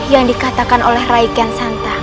yang dikatakan oleh raiken santa